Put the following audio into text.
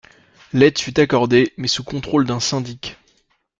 L'aide fut accordée, mais sous contrôle d'un syndic.